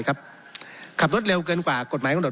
ขับรถเร็วเกินกว่ากฎหมายกำหนด